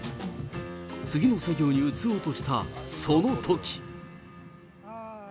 次の作業に移ろうとしたそのとき。